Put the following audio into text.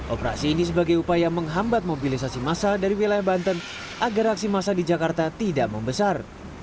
operasi ini sebagai upaya menghambat mobilisasi massa dari wilayah banten agar aksi massa di jakarta tidak membesar